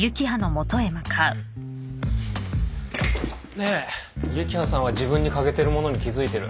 ねえ幸葉さんは自分に欠けてるものに気付いてる？